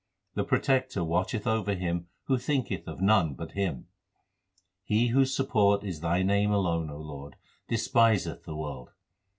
The Protector watcheth over him who thinketh of none but Him. He whose support is Thy name alone, O Lord, despiseth the world.